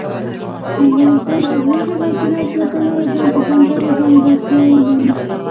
افغانستان د ځنګلي حاصلاتو له پلوه ځانته ځانګړې ځانګړتیاوې لري.